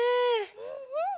うんうん。